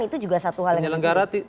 itu juga satu hal yang